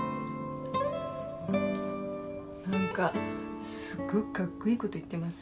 なんかすっごくかっこいい事言ってます？